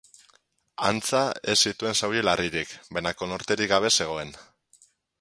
Antza, ez zituen zauri larririk, baina konorterik gabe zegoen.